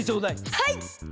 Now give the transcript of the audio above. はい！